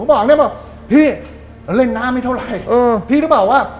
ก็มองได้มึงพี่เราเล่นน้ำนี้เท่าไหร่พี่ก็บอกว่า